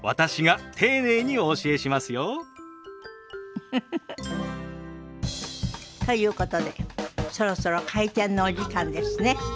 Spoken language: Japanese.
ウフフフ。ということでそろそろ開店のお時間ですね。